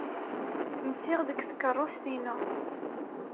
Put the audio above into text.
Nsiɣ deg tkeṛṛust-inu.